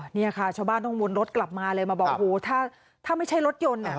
นี่ค่ะชาวบ้านต้องวนรถกลับมาเลยมาบอกโหถ้าไม่ใช่รถยนต์